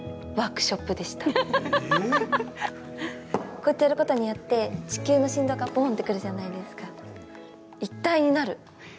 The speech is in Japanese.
こうやってやることによって地球の振動がボーンってくるじゃないですか。